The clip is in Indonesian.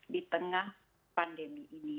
di tengah pandemi ini